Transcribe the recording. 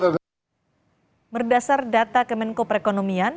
berdasar data kemenko perekonomian